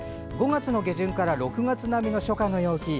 ５月の下旬から６月並みの初夏の陽気。